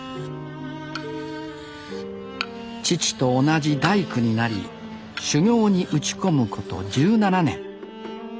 父と同じ大工になり修業に打ち込むこと１７年。